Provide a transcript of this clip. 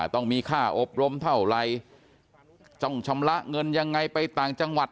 ต้องมีค่าอบรมเท่าไหร่ต้องชำระเงินยังไงไปต่างจังหวัด